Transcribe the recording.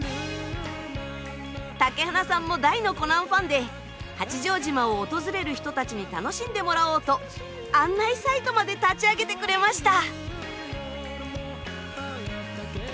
竹花さんも大の「コナン」ファンで八丈島を訪れる人たちに楽しんでもらおうと案内サイトまで立ち上げてくれました。